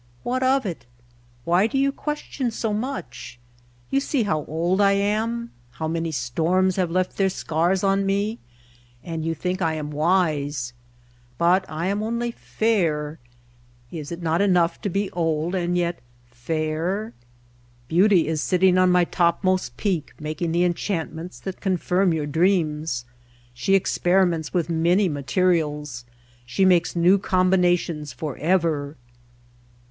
"What of it? Why do you question me so much? You see how old I am, how many storms have left their scars on me, and you think I am wise. But I am only White Heart of Mojave fair. Is it not enough to be old and yet fair? "Beauty is sitting on my topmost peak making the enchantments that confirm your dreams. She experiments with many ma terials; she makes new combinations for ever.